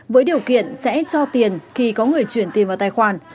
với điều kiện sẽ cho tiền khi có người chuyển tiền vào tài khoản